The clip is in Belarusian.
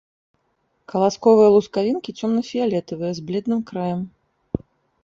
Каласковыя лускавінкі цёмна-фіялетавыя, з бледным краем.